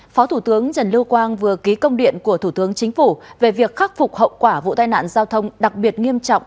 phó thủ tướng trần lưu quang vừa ký công điện của thủ tướng chính phủ về việc khắc phục hậu quả vụ tai nạn giao thông đặc biệt nghiêm trọng